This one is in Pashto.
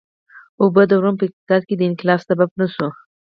اوبه د روم په اقتصاد کې د انقلاب سبب نه شوې.